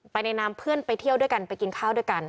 ในนามเพื่อนไปเที่ยวด้วยกันไปกินข้าวด้วยกัน